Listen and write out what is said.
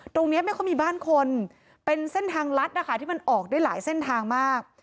ไม่ค่อยมีบ้านคนเป็นเส้นทางลัดนะคะที่มันออกได้หลายเส้นทางมาก